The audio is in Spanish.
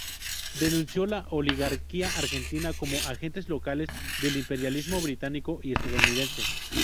Denunció a la oligarquía argentina como agentes locales del imperialismo británico y estadounidense.